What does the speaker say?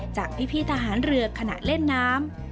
จากพี่ทหารเรือขณะเล่นน้ำ